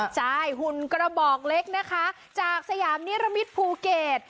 ใช่หุ่นกระบอกเล็กนะคะจากสยามนิรมิตรภูเก็ต